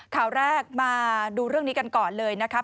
ข่าวแรกมาดูเรื่องนี้กันก่อนเลยนะครับ